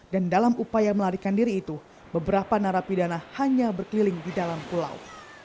dan dalam upaya melarikan diri itu beberapa narapidana hanya berkeliling di dalam pulau